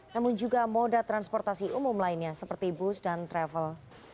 namun juga moda transportasi umum lainnya seperti bus dan travel